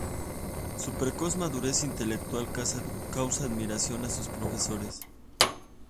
Su precoz madurez intelectual causa admiración a sus profesores.